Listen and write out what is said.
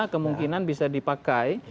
kemungkinan bisa dipakai